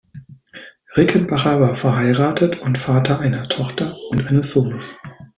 Rickenbacher war verheiratet und Vater einer Tochter und eines Sohnes.